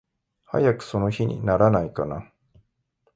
早くその日にならないかな。